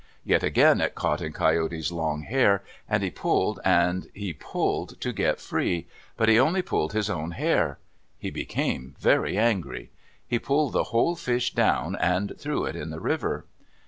Yet again it caught in Coyote's long hair, and he pulled and he pulled to get free, but he only pulled his own hair. He became very angry. He pulled the whole fish down and threw it in the river.